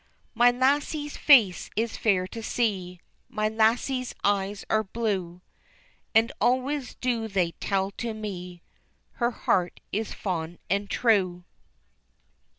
My lassie's face is fair to see, My lassie's eyes are blue, And always do they tell to me Her heart is fond and true.